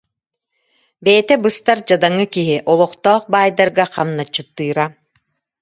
Бэйэтэ быстар дьадаҥы киһи, олохтоох баайдарга хамначчыттыыра